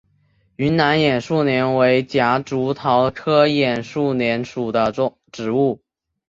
云南眼树莲为夹竹桃科眼树莲属的植物。